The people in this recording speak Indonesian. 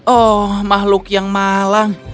oh makhluk yang malang